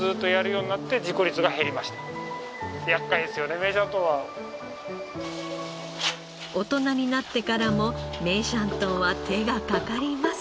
大人になってからも梅山豚は手がかかります。